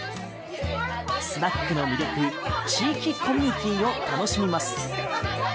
スナックの魅力地域コミュニティーを楽しみます。